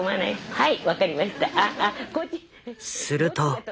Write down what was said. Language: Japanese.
はい。